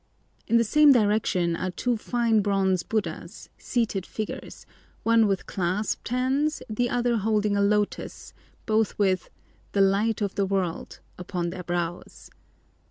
In the same direction are two fine bronze Buddhas, seated figures, one with clasped hands, the other holding a lotus, both with "The light of the world" upon their brows.